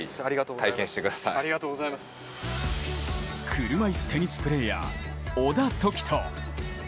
車いすテニスプレーヤー小田凱人。